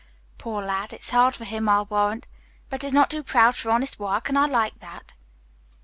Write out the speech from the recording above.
Poor lad, it's hard for him, I'll warrant, but he's not too proud for honest work, and I like that."